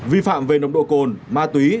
vi phạm về nồng độ cồn ma túy